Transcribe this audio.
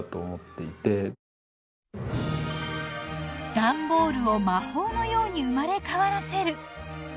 段ボールを魔法のように生まれ変わらせる。